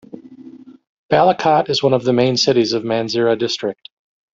Balakot is one of the main cities of Mansehra District.